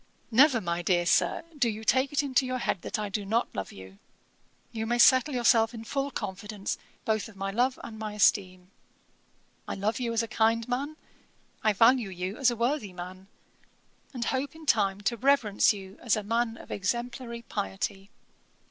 'Never, my dear Sir, do you take it into your head to think that I do not love you; you may settle yourself in full confidence both of my love and my esteem; I love you as a kind man, I value you as a worthy man, and hope in time to reverence you as a man of exemplary piety.